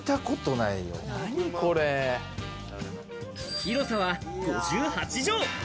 広さは５８畳。